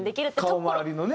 顔回りのね。